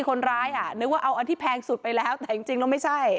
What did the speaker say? คนร้ายอ่ะนึกว่าเอาอันที่แพงสุดไปแล้วแต่จริงแล้วไม่ใช่